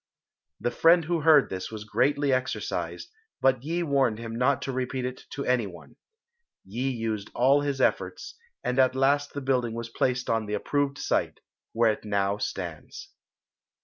The friend who heard this was greatly exercised, but Yi warned him not to repeat it to any one. Yi used all his efforts, and at last the building was placed on the approved site, where it now stands.